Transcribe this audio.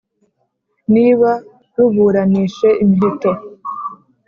Niba ruburanishe imiheto